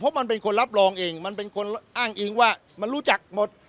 เพราะมันเป็นคนรับรองเองมันเป็นคนอ้างอิงว่ามันรู้จักหมด